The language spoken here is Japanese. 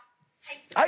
はい。